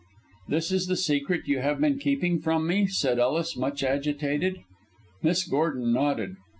"This is the secret you have been keeping from me?" said Ellis, much agitated. Miss Gordon nodded.